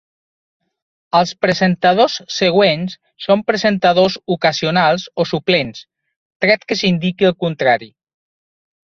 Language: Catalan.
Els presentadors següents són presentadors ocasionals o suplents, tret que s'indiqui el contrari.